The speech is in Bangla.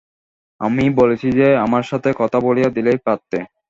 আমি বলেছি যে, আমার সাথে কথা বলিয়ে দিলেই পারতে।